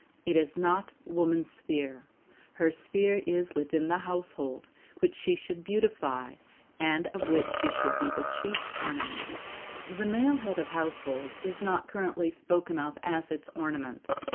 It is not "woman's sphere." Her sphere is within the household, which she should "beautify," and of which she should be the "chief ornament." The male head of the household is not currently spoken of as its ornament.